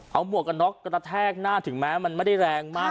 เอาหมวกกันน็อกกระแทกหน้าถึงแม้มันไม่ได้แรงมาก